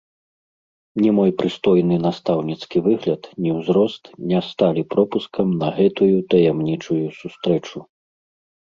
Ні мой прыстойны настаўніцкі выгляд, ні ўзрост не сталі пропускам на гэтую таямнічую сустрэчу.